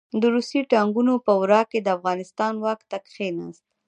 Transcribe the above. د روسي ټانګونو په ورا کې د افغانستان واک ته کښېناست.